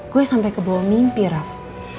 gue sampe kebawa mimpi raff